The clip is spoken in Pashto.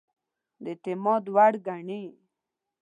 د اعتماد وړ ګڼي.